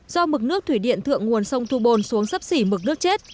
do mực nước thủy điện thượng nguồn sông thu bồn xuống sấp xỉ mực nước chết